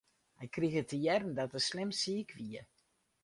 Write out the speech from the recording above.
Hy krige te hearren dat er slim siik wie.